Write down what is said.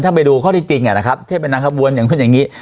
ถ้าไปดูข้อที่จริงนะครับเทพเป็นนางขบวนอย่างนู้นอย่างนี้